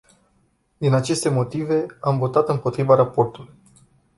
Din aceste motive, am votat împotriva raportului.